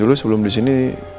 dulu sebelum disini